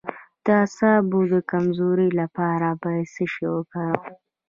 د اعصابو د کمزوری لپاره باید څه شی وکاروم؟